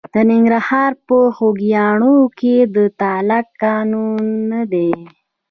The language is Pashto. د ننګرهار په خوږیاڼیو کې د تالک کانونه دي.